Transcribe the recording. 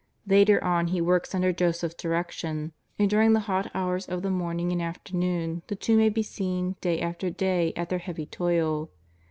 Later on He works under Joseph's direc tion, and during the hot hours of the morning and af ternoon the two may be seen day after day at their heavy toil.